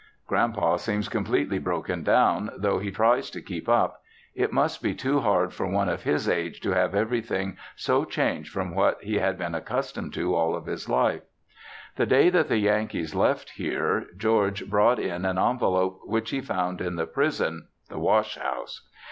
Grand Pa seems completely broken down, tho' he tries to keep up. It must be too hard for one of his age to have everything so changed from what he has been accustomed to all of his life. The day that the Yankees left here, George brought in an envelope which he found in the prison (the wash house).